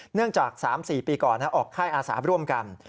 จาก๓๔ปีก่อนออกค่ายอาสาร่วมกัน